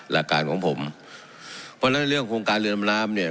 หลักการของผมเพราะฉะนั้นเรื่องโครงการเรือดำน้ำเนี่ย